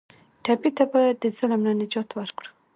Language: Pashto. ټپي ته باید د ظلم نه نجات ورکړو.